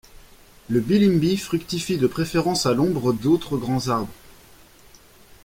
Le bilimbi fructifie de préférence à l'ombre d'autres grands arbres.